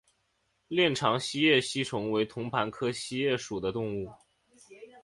链肠锡叶吸虫为同盘科锡叶属的动物。